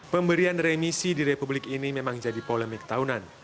pemberian remisi di republik ini memang jadi polemik tahunan